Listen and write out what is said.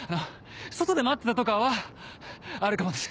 外で待ってたとかはあるかもです。